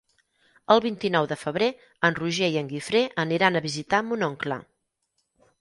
El vint-i-nou de febrer en Roger i en Guifré aniran a visitar mon oncle.